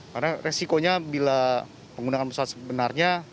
karena resikonya bila penggunaan pesawat sebenarnya